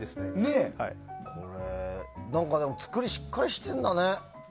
これ、作りがしっかりしてるんだね。